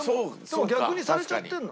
でも逆にされちゃってんの？